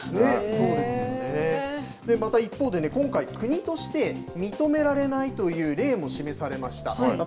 また一方で今回、国として認められないという例も示されました。